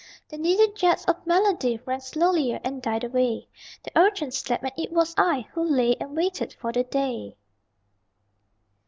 The needled jets of melody Rang slowlier and died away The Urchin slept; and it was I Who lay and waited for the day.